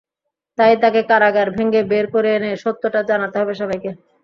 তাই তাঁকে কারাগার ভেঙে বের করে এনে সত্যটা জানাতে হবে সবাইকে।